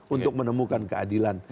untuk menemukan keadilan